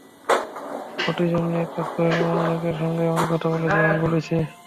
Autism নিয়ে কাজ করেন এমন অনেকের সঙ্গেই আমরা কথা বলেছি এবং বলছি।